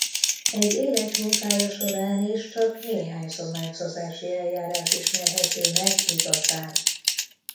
Egy élet munkája során is csak néhány zománcozási eljárás ismerhető meg igazán.